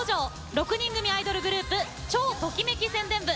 ６人組アイドルグループ超ときめき宣伝部。